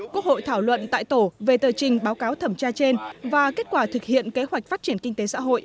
quốc hội thảo luận tại tổ về tờ trình báo cáo thẩm tra trên và kết quả thực hiện kế hoạch phát triển kinh tế xã hội